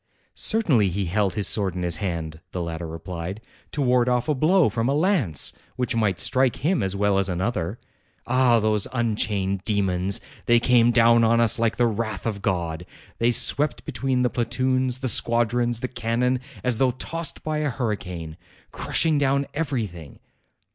"Certainly, he held his sword in his hand," the latter replied, "to ward off a blow from a lance, which might strike him as well as another. Ah ! those unchained demons ! They came down on us like the wrath of God. They swept between the platoons, the squadrons, the cannon, as though tossed by a hurricane, crushing down everything.